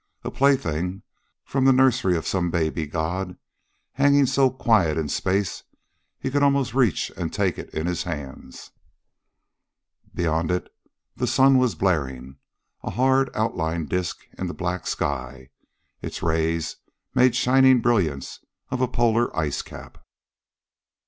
A plaything from the nursery of some baby god, hanging so quiet in space he could almost reach and take it in his hands. Beyond it the sun was blaring, a hard outlined disc in the black sky. Its rays made shining brilliance of a polar ice cap.